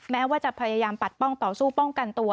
แม้ว่าจะพยายามปัดป้องต่อสู้ป้องกันตัว